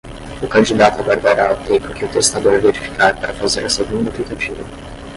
O candidato aguardará o tempo que o testador verificar para fazer a segunda tentativa.